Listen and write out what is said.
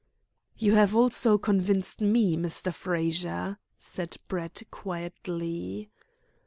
"You have also convinced me, Mr. Frazer," said Brett quietly.